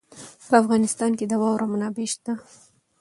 په افغانستان کې د واوره منابع شته.